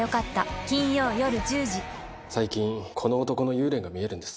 最近この男の幽霊が見えるんです